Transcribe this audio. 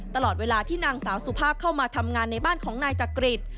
ตลอดเวลาที่นางสาวสุภาพเข้ามาทำงานในบ้านของนายจักริต